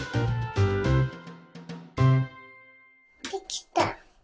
できた。